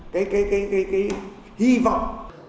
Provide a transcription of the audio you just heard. cái cái cái cái hy vọng